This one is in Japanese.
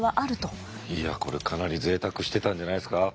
いやこれかなりぜいたくしてたんじゃないですか。